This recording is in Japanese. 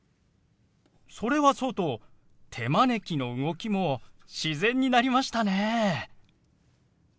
それはそうと手招きの動きも自然になりましたね。